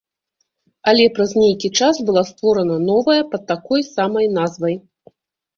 Але праз нейкі час была створана новая пад такой самай назвай.